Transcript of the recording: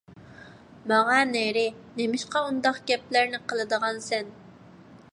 — ماڭە نېرى، نېمىشقا ئۇنداق گەپلەرنى قىلىدىغانسەن؟